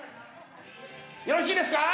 よろしいですか？